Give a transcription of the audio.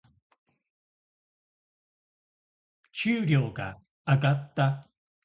給料が上がった。